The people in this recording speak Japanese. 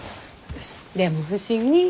でも不思議。